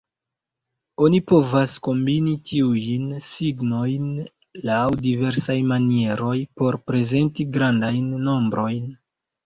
Oni povas kombini tiujn signojn laŭ diversaj manieroj por prezenti grandajn nombrojn.